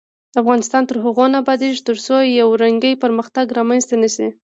افغانستان تر هغو نه ابادیږي، ترڅو یو رنګی پرمختګ رامنځته نشي.